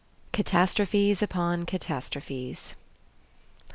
Catastrophes upon Catastrophes.